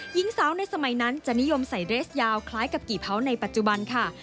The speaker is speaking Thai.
หญิงสาวในสมัยนั้นจะนิยมใส่เรสยาวคล้ายกับกี่เผาในปัจจุบันค่ะ